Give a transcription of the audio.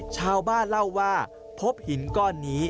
ชาวบ้านเล่าว่าพบหินก้อนนี้